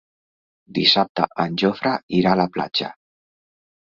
Dissabte en Jofre irà a la platja.